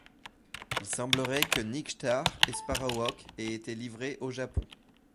Il semblerait que Nightjar et Sparrowhawk aient été livrés au Japon.